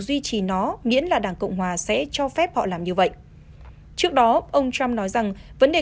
duy trì nó miễn là đảng cộng hòa sẽ cho phép họ làm như vậy trước đó ông trump nói rằng vấn đề